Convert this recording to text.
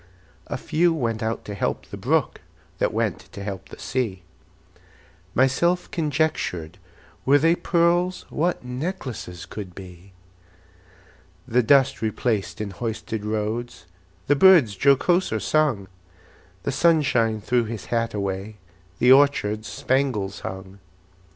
A few went out to help the brook, That went to help the sea. Myself conjectured, Were they pearls, What necklaces could be! The dust replaced in hoisted roads, The birds jocoser sung; The sunshine threw his hat away, The orchards spangles hung.